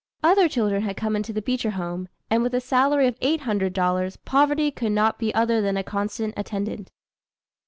Other children had come into the Beecher home, and with a salary of eight hundred dollars, poverty could not be other than a constant attendant.